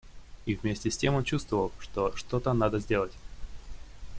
И вместе с тем он чувствовал, что что-то надо сделать.